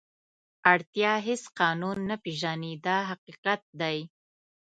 اړتیا هېڅ قانون نه پېژني دا حقیقت دی.